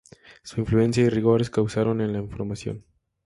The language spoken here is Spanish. Su influencia y rigor causaron en la formación.